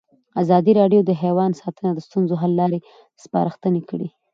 ازادي راډیو د حیوان ساتنه د ستونزو حل لارې سپارښتنې کړي.